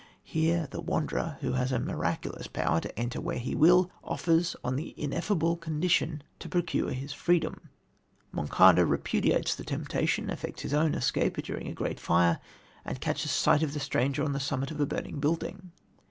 Here the Wanderer, who has a miraculous power to enter where he will, offers, on the ineffable condition, to procure his freedom. Monçada repudiates the temptation, effects his own escape during a great fire, and catches sight of the stranger on the summit of a burning building.